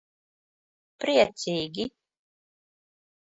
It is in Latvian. Priecīgi.